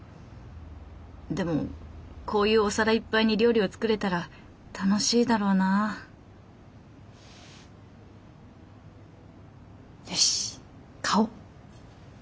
でもこういうお皿いっぱいに料理を作れたら楽しいだろうなあよし買おう。